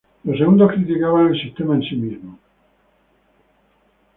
Los segundos criticaban el sistema en sí mismo.